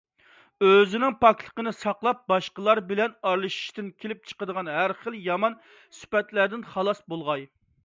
ئۆزىنىڭ پاكلىقىنى ساقلاپ، باشقىلار بىلەن ئارىلىشىشتىن كېلىپ چىقىدىغان ھەر خىل يامان سۈپەتلەردىن خالاس بولغاي.